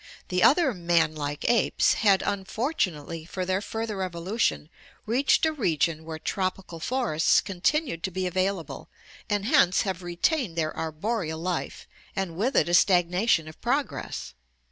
The other man like apes had, unfortunately for their further evo lution, reached a region where tropical forests continued to be available and hence have retained their arboreal life and with it a stagnation of progress.